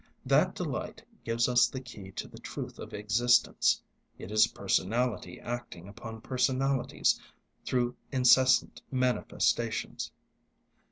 That delight gives us the key to the truth of existence; it is personality acting upon personalities through incessant manifestations.